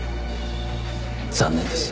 残念です。